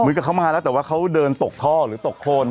จะเข้ามาแล้วแต่ว่าเขาเดินเติบข้อหรือตกโคน